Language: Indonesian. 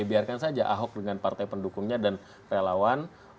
biarkan saja ahok dengan partai pendukungnya dan relawan